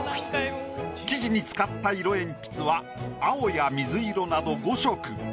生地に使った色鉛筆は青や水色など５色。